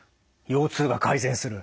腰痛が改善する。